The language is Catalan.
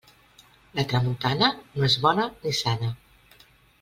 La tramuntana no és bona ni sana.